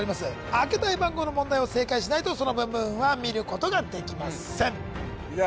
開けたい番号の問題を正解しないとその部分は見ることができません伊沢